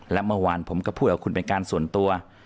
และเมื่อวานผมก็พูดกับคุณเป็นการส่วนตัว